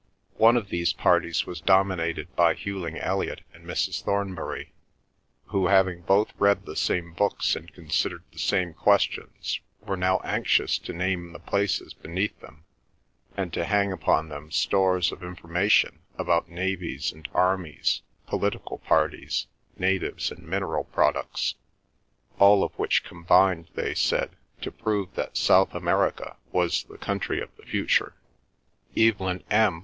One of these parties was dominated by Hughling Elliot and Mrs. Thornbury, who, having both read the same books and considered the same questions, were now anxious to name the places beneath them and to hang upon them stores of information about navies and armies, political parties, natives and mineral products—all of which combined, they said, to prove that South America was the country of the future. Evelyn M.